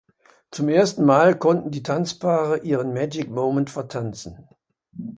Zum ersten Mal konnten die Tanzpaare ihren Magic Moment vertanzen.